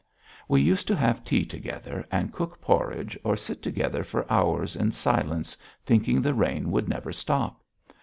We used to have tea together and cook porridge, or sit together for hours in silence thinking the rain would never stop.